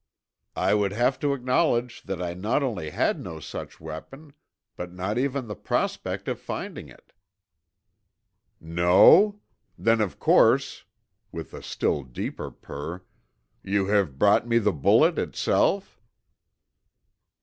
"I would have to acknowledge that I not only had no such weapon, but not even the prospect of finding it. "'No? Then, of course,' with a still deeper purr, 'you have brought me the bullet itself?'